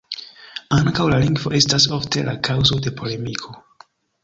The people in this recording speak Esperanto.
Ankaŭ la lingvo estas ofte la kaŭzo de polemiko.